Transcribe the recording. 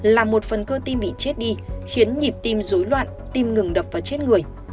là một phần cơ tim bị chết đi khiến nhịp tim dối loạn tim ngừng đập và chết người